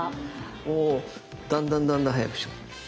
こうだんだんだんだん速くしていく。